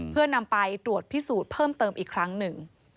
เพื่อนำไปตรวจพิสูจน์เพิ่มเติมอีกครั้งหนึ่ง